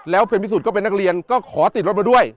แล้วเป็นพิสุทธิก็เป็นนักเรียนก็ขอติดรถมาด้วย